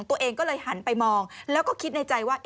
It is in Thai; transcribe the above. ตัวเองก็เลยหันไปมองแล้วก็คิดในใจว่า